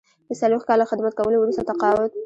د څلویښت کاله خدمت کولو وروسته تقاعد.